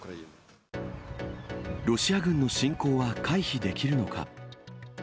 ロシア軍の侵攻は回避できるのか。